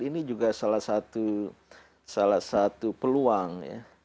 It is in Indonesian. ini juga salah satu peluang ya